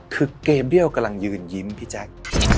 คือเกมเบี้ยวกำลังยืนยิ้มพี่แจ๊ค